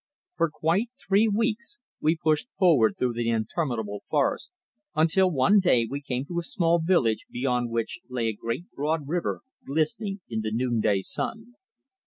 FOR quite three weeks we pushed forward through the interminable forest until one day we came to a small village beyond which lay a great broad river glistening in the noon day sun.